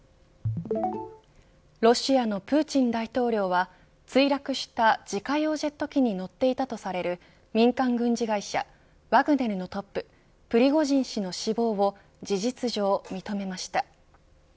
ロシアのプーチン大統領は墜落した自家用ジェット機に乗っていたとされる民間軍事会社ワグネルのトッププリゴジン氏の死亡を事実上、認めました。